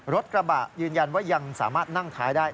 รถกระบะยืนยันว่ายังสามารถนั่งท้ายได้